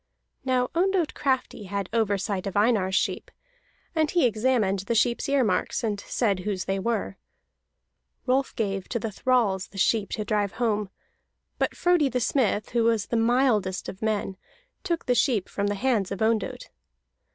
Now Ondott Crafty had oversight of Einar's sheep, and he examined the sheep's ear marks, and said whose they were. Rolf gave to the thralls the sheep to drive home; but Frodi the Smith, who was the mildest of men, took the sheep from the hands of Ondott.